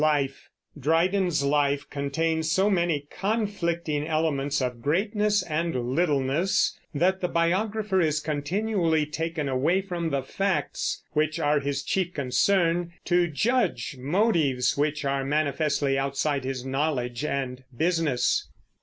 LIFE. Dryden's life contains so many conflicting elements of greatness and littleness that the biographer is continually taken away from the facts, which are his chief concern, to judge motives, which are manifestly outside his knowledge and business.